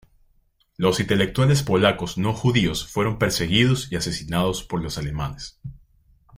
Los intelectuales polacos no judíos fueron perseguidos y asesinados por los alemanes.